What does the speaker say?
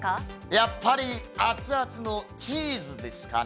やっぱり熱々のチーズですかね。